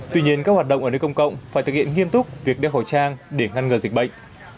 tuy nhiên các hoạt động ở nơi công cộng phải thực hiện nghiêm túc việc đeo khẩu trang để ngăn ngừa dịch bệnh